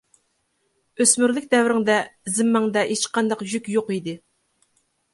ئۆسمۈرلۈك دەۋرىڭدە زىممەڭدە ھېچقانداق يۈك يوق ئىدى.